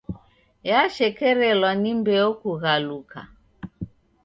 Yashekerelwa ni mbeo kughaluka.